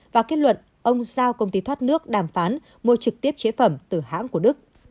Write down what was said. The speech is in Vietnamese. và kết luận ông giao công ty thoát nước đàm phán mua trực tiếp chế phẩm từ hãng của đức